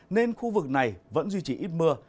nên khu vực này vẫn duy trì ít mưa